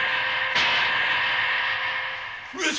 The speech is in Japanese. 上様！